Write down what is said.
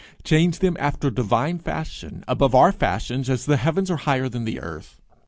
change them after divine fashion, above our fashions as the heavens are higher than the earth.